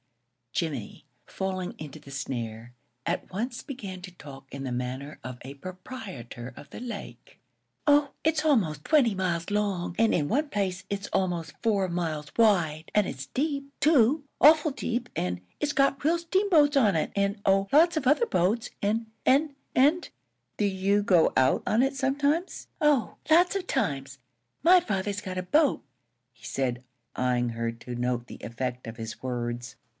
Jimmie, falling into the snare, at once began to talk in the manner of a proprietor of the lake. "Oh, it's almost twenty miles long, an' in one place it's almost four miles wide! an' it's deep too awful deep an' it's got real steamboats on it, an' oh lots of other boats, an' an' an' " "Do you go out on it sometimes?" "Oh, lots of times! My father's got a boat," he said, eying her to note the effect of his words.